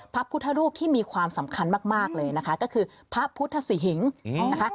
พระพุทธรูปที่มีความสำคัญมากเลยนะคะก็คือพระพุทธสิหิงนะคะ